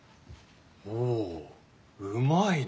ほううまいな。